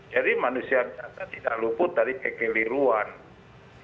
jadi manusia biasa tidak luput dari kekeliruan itu